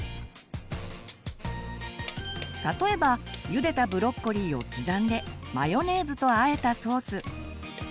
例えばゆでたブロッコリーを刻んでマヨネーズと和えたソース。